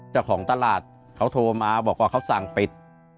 เจ้าของตลาดเขาโทรมาบอกว่าเขาสั่งปิด